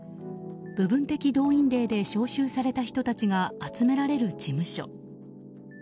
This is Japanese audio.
部分的動員令で招集された人たちが集められる事務所。